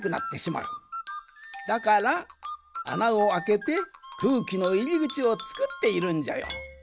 だからあなをあけてくうきのいりぐちをつくっているんじゃよ。